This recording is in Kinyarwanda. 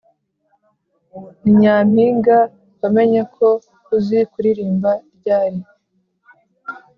Ni Nyampinga Wamenye ko uzi kuririmba ryari?